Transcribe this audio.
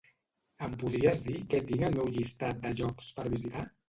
Em podries dir què tinc al meu llistat de llocs per visitar?